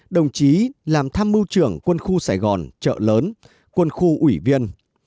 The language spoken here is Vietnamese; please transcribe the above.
đồng chí làm tham mưu trưởng quân khu sài gòn chợ lớn quân khu ủy viên